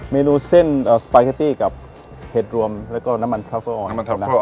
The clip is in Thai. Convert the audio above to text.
เมนูเส้นสปาเกตตี้กับเห็ดรวมแล้วก็น้ำมันทรัฟเฟอร์ออยล์